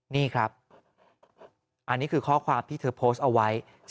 นี่ครับอันนี้คือข้อความที่เธอโพสต์เอาไว้